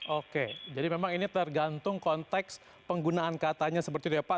oke jadi memang ini tergantung konteks penggunaan katanya seperti itu ya pak